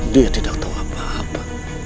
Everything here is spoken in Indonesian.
dia tidak tahu apa apa